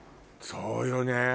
そうよね。